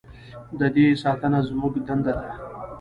د دې ساتنه زموږ دنده ده؟